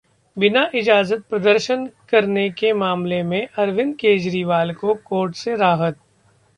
बिना इजाजत प्रदर्शन करने के मामले में अरविंद केजरीवाल को कोर्ट से राहत